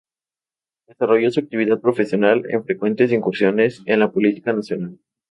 Desarrolló su actividad profesional en frecuentes incursiones en la política nacional.